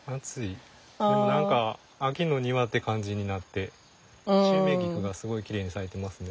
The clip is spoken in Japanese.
でも何か秋の庭って感じになってシュウメイギクがすごいきれいに咲いてますね。